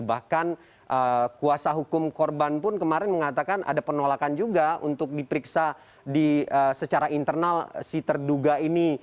bahkan kuasa hukum korban pun kemarin mengatakan ada penolakan juga untuk diperiksa secara internal si terduga ini